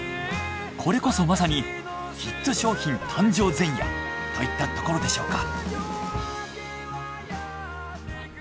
これこそまさにヒット商品誕生前夜といったところでしょうか。